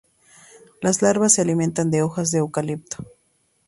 Las larvas se alimentan de hojas de eucalipto.